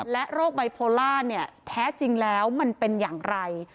และโรคบายโพล่าแท้จริงแล้วมันเป็นอย่างไร